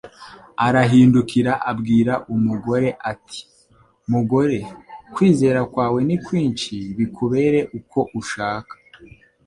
arahindukira abwira umugore ati: "Mugore kwizera kwawe ni kwinshi bikubere uko ushaka."